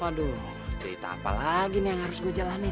waduh cerita apa lagi nih yang harus gue jalanin